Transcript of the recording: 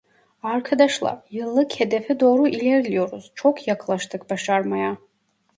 Arkadaşlar, yıllık hedefe doğru ilerliyoruz, çok yaklaştık başarmaya.